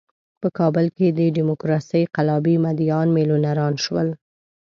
په کابل کې د ډیموکراسۍ قلابي مدعیان میلیونران شول.